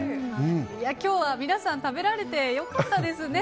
今日は皆さん食べられて良かったですね。